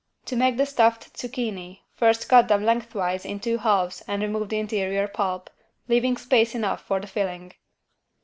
To make the stuffed zucchini first cut them lengthwise in two halves and remove the interior pulp, leaving space enough for the filling.